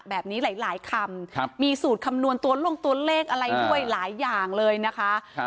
แบบนี้หลายคำมีสูตรคำนวณตัวลงตัวเลขอะไรด้วยหลายอย่างเลยนะคะ